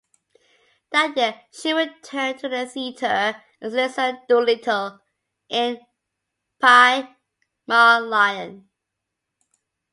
That year, she returned to the theatre as Eliza Doolittle in "Pygmalion".